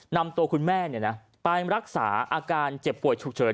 นำตัวคุณแม่ไปรักษาอาการเจ็บป่วยฉุกเฉิน